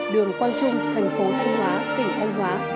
đường quang trung tp thanh hóa tỉnh thanh hóa